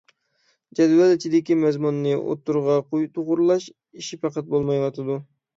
جەدۋەل ئىچىدىكى مەزمۇننى ئوتتۇرىغا توغرىلاش ئىشى پەقەت بولمايۋاتىدۇ.